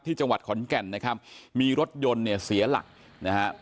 จังหวัดขอนแก่นนะครับมีรถยนต์เนี่ยเสียหลักนะฮะ